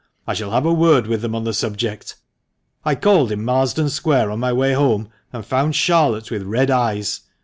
I shall have a word with them on the subject. I called in Marsden Square on my way home, and found Charlotte with red eyes.